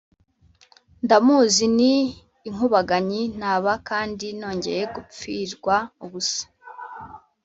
ndamuzi ni inkubaganyi. naba kandi nongeye gupfirwa ubusa.”